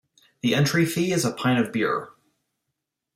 The entry fee is a pint of beer.